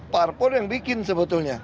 parpol yang bikin sebetulnya